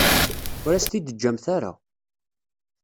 Ur as-t-id-teǧǧamt ara.